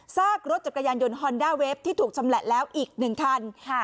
ซากรถจักรยานยนต์ฮอนด้าเวฟที่ถูกชำแหละแล้วอีกหนึ่งคัน